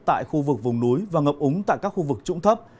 tại khu vực vùng núi và ngập úng tại các khu vực trũng thấp